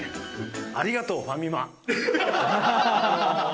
ありがとう、ファミマ。